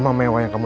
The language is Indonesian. gak bisa diambil